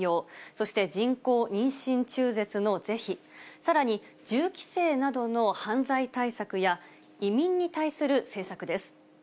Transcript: そして人工妊娠中絶の是非、さらに銃規制などの犯罪対策や、移民に対する政策です。